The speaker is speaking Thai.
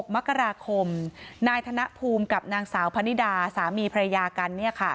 มกราคมนายธนภูมิกับนางสาวพนิดาสามีภรรยากัน